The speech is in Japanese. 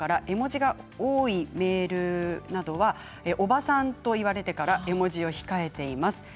絵文字が多いメールなどはおばさんと言われてから絵文字を控えています。